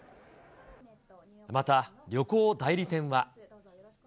また、旅行代理店は。